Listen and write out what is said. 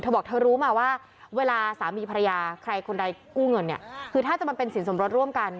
บอกเธอรู้มาว่าเวลาสามีภรรยาใครคนใดกู้เงินเนี่ยคือถ้าจะมันเป็นสินสมรสร่วมกัน